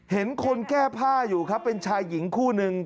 เห็นคนแก้ผ้าอยู่ครับเป็นชายหญิงคู่นึง